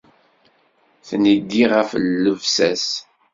Tneggi ɣef llebsa-s.